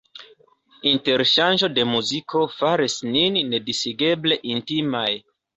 Interŝanĝo de muziko faris nin nedisigeble intimaj.